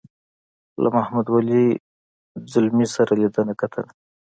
له محمد ولي ځلمي سره لیدنه کتنه.